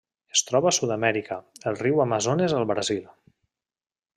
Es troba a Sud-amèrica: el riu Amazones al Brasil.